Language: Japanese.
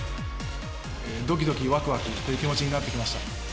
どきどきわくわくという気持ちになってきました。